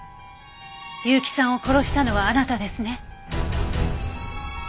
結城さんを殺したのはあなたですね。